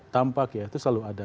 tampak ya itu selalu ada